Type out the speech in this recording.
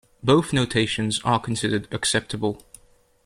Both notations are considered acceptable.